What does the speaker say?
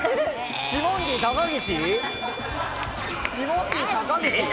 ティモンディ・高岸。